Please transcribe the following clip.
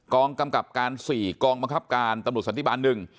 กองกำกับการ๔กองบังคับการตำรวจสันติบาล๑